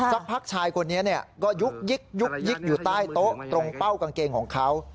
สักพักชายคนนี้ก็ยุกยิกยุกยิกอยู่ใต้โต๊ะตรงเป้ากางเกงของเขา